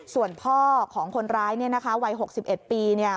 ส่วนพ่อของคนร้ายเนี่ยนะคะวัยหกสิบเอ็ดปีเนี่ย